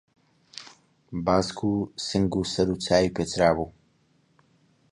باسک و سنگ و سەر و چاوی پێچرابوو